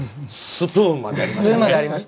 スプーンまでありました。